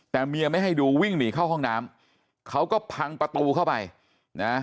แต่เมียไม่ให้ดูวิ่งหนีเข้าห้องน้ำเขาก็พังประตูเข้าไปนะ